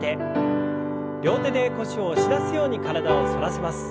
両手で腰を押し出すように体を反らせます。